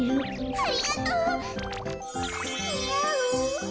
ありがとう。にあう？